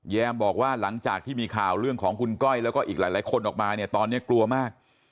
แมมบอกว่าหลังจากที่มีข่าวเรื่องของคุณก้อยแล้วก็อีกหลายคนออกมาเนี่ยตอนนี้กลัวมาก